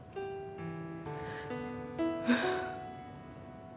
pergi sebagai orang baik